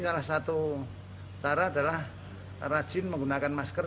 salah satu cara adalah rajin menggunakan masker